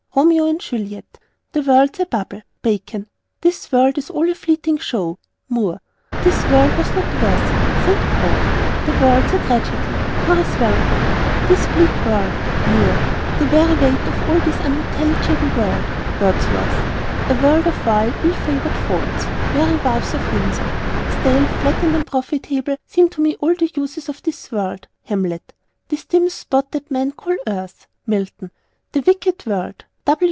Romeo and Juliet. "The World's a bubble." Bacon. "This World is all a fleeting show." Moore. "The World was not worthy." St. Paul. "The World's a tragedy." Horace Walpole. "This bleak World." Moore. "The weary weight of all this unintelligible World." Wordsworth. "A World of vile ill favoured faults." Merry Wives of Windsor. "Stale, flat and unprofitable seem to me all the uses of this World." Hamlet. "This dim spot that men call Earth." Milton. "The wicked World."